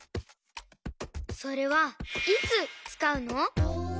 それはいつつかうの？